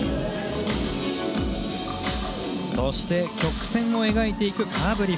そして、曲線を描いていくカーブ